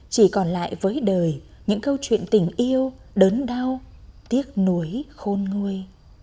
chỉ còn lại với đời những câu chuyện tình yêu đớn đau tiếc nuối khôn nguôi